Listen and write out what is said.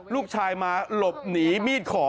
ลูกชายมาหลบหนีมีดขอ